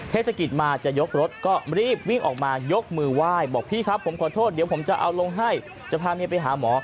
เทศกิจมาจะยกรถก็รีบวิ่งออกมายกมือไหว้บอกพี่ครับผมขอโทษเดี๋ยวผมจะเอาลงให้จะพาเมียไปหาหมอ